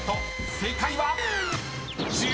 正解は⁉］